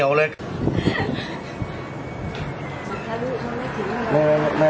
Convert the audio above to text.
มันจะเจ็บไง